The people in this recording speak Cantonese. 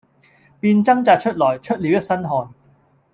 便掙扎出來，出了一身汗。